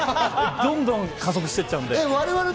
どんどん加速してっちゃうんで。